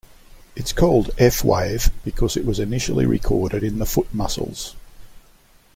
It's called F wave because it was initially recorded in the foot muscles.